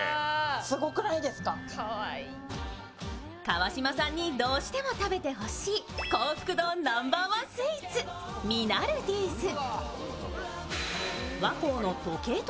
川島さんにどうしても食べてほしい幸福度ナンバーワンスイーツ、ミナルディーズ。